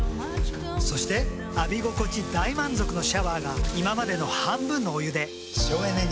そして浴び心地大満足のシャワーが今までの半分のお湯で省エネに。